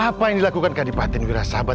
apa yang dilakukan kadipati wirasabah